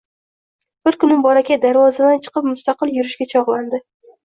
Bir kuni bolakay darvozadan chiqib mustaqil yurishga chog’landi.